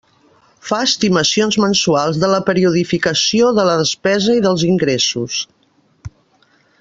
Fa estimacions mensuals de la periodificació de la despesa i dels ingressos.